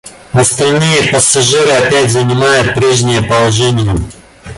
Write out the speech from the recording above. Остальные пассажиры опять занимают прежнее положение.